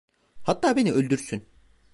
Hatta beni öldürsün.